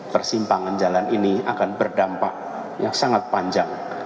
persimpangan jalan ini akan berdampak yang sangat panjang